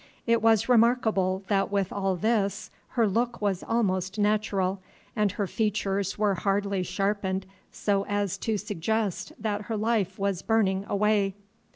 It was remarkable that with all this her look was almost natural, and her features were hardly sharpened so as to suggest that her life was burning away.